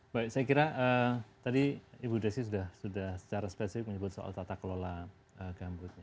saya kira tadi ibu desy sudah secara spesifik menyebut soal tata kelola gambut